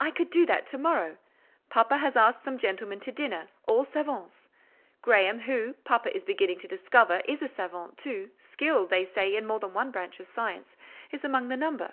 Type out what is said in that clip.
"I could do that to morrow. Papa has asked some gentlemen to dinner, all savants. Graham, who, papa is beginning to discover, is a savant, too—skilled, they say, in more than one branch of science—is among the number.